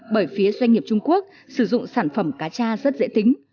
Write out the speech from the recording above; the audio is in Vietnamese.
bởi phía doanh nghiệp trung quốc sử dụng sản phẩm cacha rất dễ tính